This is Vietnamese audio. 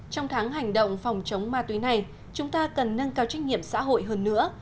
trong tháng hành động phòng chống ma túy này chúng ta cần nâng cao trách nhiệm xã hội hơn nữa